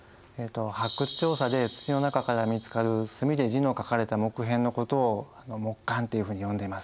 発掘調査で土の中から見つかる墨で字の書かれた木片のことを木簡っていうふうに呼んでます。